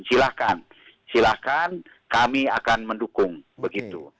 silahkan silahkan kami akan mendukung begitu